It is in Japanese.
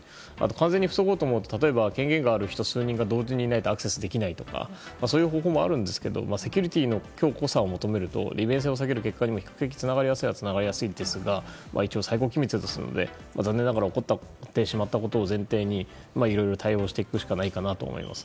完全に防ごうとすると例えば権限がある人数人が同時にいないとアクセスできないとかそういう方法もあるんですがセキュリティーの強固さを求めると、利便性を避けることにつながりやすいので一応最高機密ですので残念ながら起こってしまったことを前提にいろいろ対応していくしかないと思います。